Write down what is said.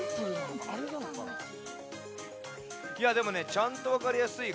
いやでもねちゃんとわかりやすい